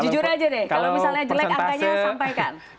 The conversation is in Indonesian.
jujur aja deh kalau misalnya jelek angkanya sampaikan